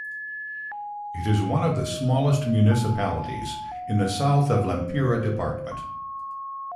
It is one of the smallest municipalities in the south of Lempira department.